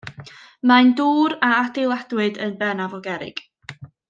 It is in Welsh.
Mae'n dŵr a adeiladwyd yn bennaf o gerrig.